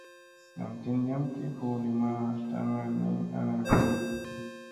Nam tin yam ki huu li ma daŋŋa ni ana mi ge.